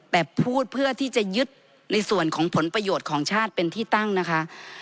แต่พูดเพื่อที่จะยึดในส่วนของผลประโยชน์ของชาติเป็นที่ตั้งนะคะ